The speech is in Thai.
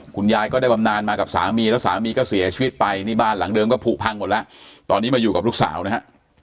คุณยายก็ได้บำนานมากับสามีแล้วสามีก็เสียชีวิตไปนี่บ้านหลังเดิมก็ผูกพังหมดแล้วตอนนี้มาอยู่กับลูกสาวนะฮะ